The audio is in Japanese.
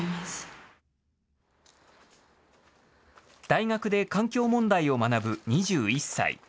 大学で環境問題を学ぶ２１歳。